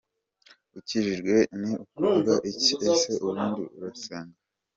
com: ukijijwe ni ukuvuga iki? Ese ubundu urasenga?.